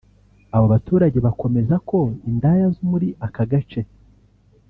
Abo baturage bakomeza ko indaya zo muri aka gace